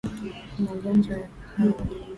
Magonjwa ya kuhara